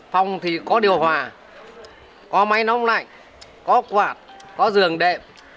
phòng thì có điều hòa có máy nóng lạnh có quạt có giường đẹp